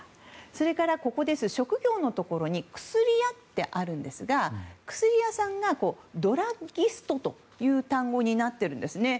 それから職業のところに薬屋とあるんですが薬屋さんがＤｒｕｇｇｉｓｔという単語になっているんですね。